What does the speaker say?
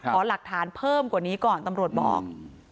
ขอหลักฐานเพิ่มกว่านี้ก่อนตำรวจบอก